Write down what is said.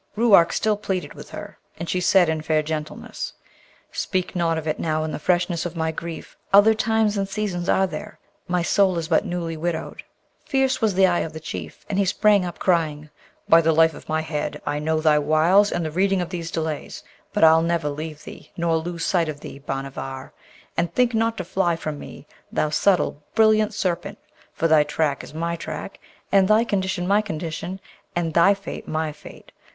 Ruark still pleaded with her, and she said in fair gentleness, 'Speak not of it now in the freshness of my grief! Other times and seasons are there. My soul is but newly widowed!' Fierce was the eye of the Chief, and he sprang up, crying, 'By the life of my head, I know thy wiles and the reading of these delays: but I'll never leave thee, nor lose sight of thee, Bhanavar! And think not to fly from me, thou subtle, brilliant Serpent! for thy track is my track, and thy condition my condition, and thy fate my fate.